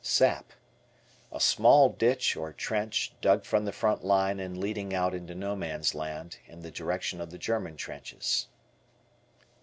Sap. A small ditch, or trench, dug from the front line and leading out into "No Man's Land" in the direction of the German trenches.